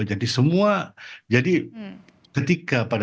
jadi semua jadi ketika pada